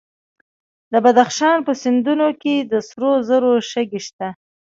د بدخشان په سیندونو کې د سرو زرو شګې شته.